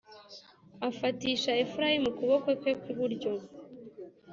afatisha Efurayimu ukuboko kwe kw iburyo